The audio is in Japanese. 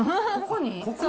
ここに？